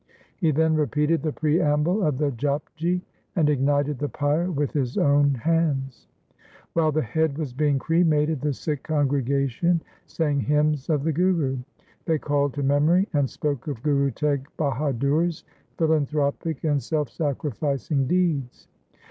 He then repeated the preamble of the Japji and ignited the pyre with his own hands. While the head was being cremated, the Sikh congregation sang hymns of the Guru. They called to memory and spoke of Guru Teg Bahadur's philanthropic and self sacrificing deeds.